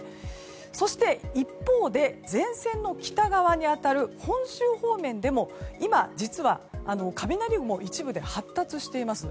そして、一方で前線の北側に当たる本州方面でも今、実は雷雲が一部で発達しています。